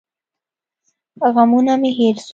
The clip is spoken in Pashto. غمونه مې هېر سول.